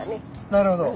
なるほど。